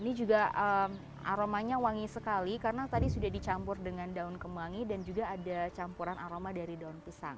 ini juga aromanya wangi sekali karena tadi sudah dicampur dengan daun kemangi dan juga ada campuran aroma dari daun pisang